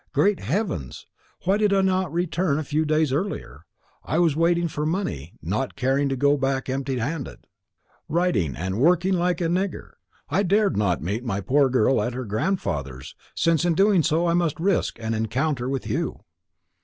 Great heavens, why did I not return a few days earlier! I was waiting for money, not caring to go back empty handed; writing and working like a nigger. I dared not meet my poor girl at her grandfather's, since in so doing I must risk an encounter with you."